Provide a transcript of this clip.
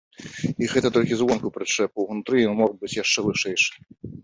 І гэта толькі звонку прычэпу, унутры ён мог быць яшчэ вышэйшы.